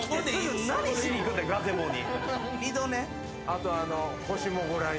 あと。